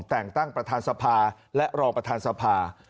แต่งตั้งประธานสภาและรองประธานสภา